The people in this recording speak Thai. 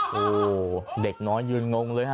โห้เด็กน้อยยืนงงเลยค่ะ